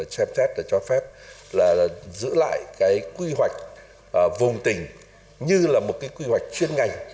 xem xét và cho phép là giữ lại cái quy hoạch vùng tỉnh như là một cái quy hoạch chuyên ngành